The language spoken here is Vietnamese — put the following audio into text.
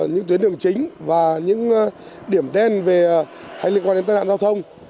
những tuyến đường chính và những điểm đen liên quan đến tài nạn giao thông